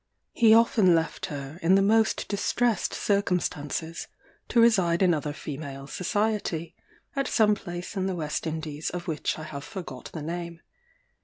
He often left her, in the most distressed circumstances, to reside in other female society, at some place in the West Indies of which I have forgot the name.